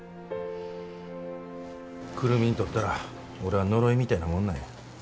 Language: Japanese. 久留美にとったら俺は呪いみたいなもんなんや。